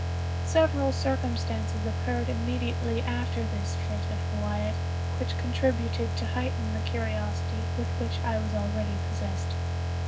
Several circumstances occurred immediately after this fit of Wyatt which contributed to heighten the curiosity with which I was already possessed.